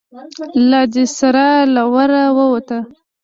له دې سره له وره ووت.